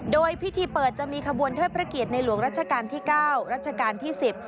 โดยพิธีเปิดจะมีขบวนเทิดพระเกียรติในหลวงรัชกาลที่๙รัชกาลที่๑๐